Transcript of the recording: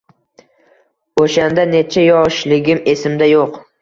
O‘shanda necha yoshligim esimda yo‘q.